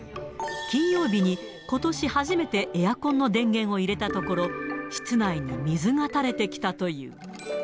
金曜日にことし初めて、エアコンの電源を入れたところ、室内に水がたれてきたという。